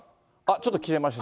ちょっと切れました。